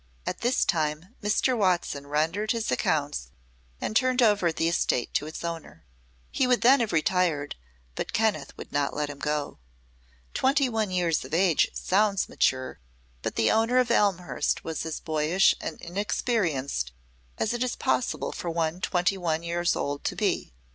At this time Mr. Watson rendered his accounts and turned over the estate to its owner. He would then have retired, but Kenneth would not let him go. Twenty one years of age sounds mature, but the owner of Elmhurst was as boyish and inexperienced as it is possible for one twenty one years old to be.